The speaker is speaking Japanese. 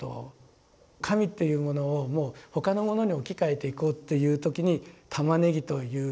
神っていうものをもう他のものに置き換えていこうっていう時に「玉ねぎ」という。